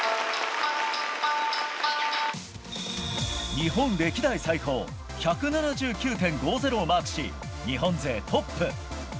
日本歴代最高１７９．５０をマークし、日本勢トップ。